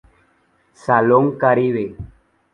Salón Caribe.